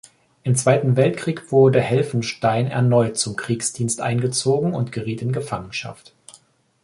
Im Zweiten Weltkrieg wurde Helfenstein erneut zum Kriegsdienst eingezogen und geriet in Gefangenschaft.